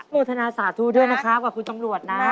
มธนาศาสตร์ทูด้วยนะครับกว่าคุณสมรวจนะ